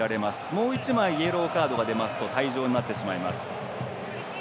もう１枚イエローカードが出ますと退場になってしまいます。